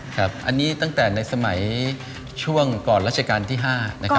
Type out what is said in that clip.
ครับอันนี้ตั้งแต่ในสมัยช่วงก่อนรัชกาลที่๕นะครับ